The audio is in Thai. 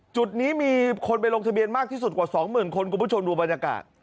จุดนี้มีคนไปลงทะเบียนมากที่สุดกว่า๒๐๐๐คนคุณผู้ชมดูบรรยากาศ